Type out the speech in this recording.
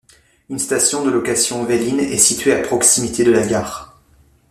Une station de location Vel'in est situé à proximité de la gare.